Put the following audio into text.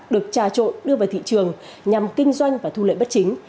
được trà trộn đưa vào thị trường nhằm kinh doanh và thu lợi bất chính